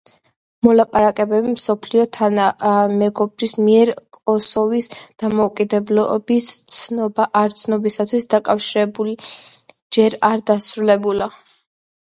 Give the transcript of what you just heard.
მოლაპარაკებები მსოფლიო თანამეგობრობის მიერ კოსოვოს დამოუკიდებლობის ცნობა–არცნობასთან დაკავშირებით ჯერ არ დასრულებულა.